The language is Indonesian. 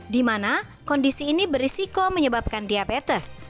dimana kondisi ini berisiko menyebabkan diabetes